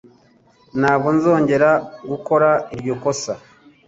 Ntabwo nzongera gukora iryo kosa.